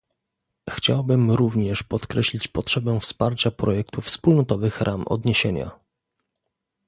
Chciałbym również podkreślić potrzebę wsparcia projektu wspólnotowych ram odniesienia